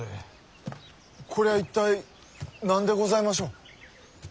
こりゃ一体何でございましょう？